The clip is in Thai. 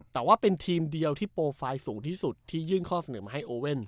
แต่ว่าเป็นทีมเดียวที่โปรไฟล์สูงที่สุดที่ยื่นข้อเสนอมาให้โอเว่น